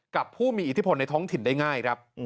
กับผู้มีอิทธิพลในท้องถิ่นได้ง่าย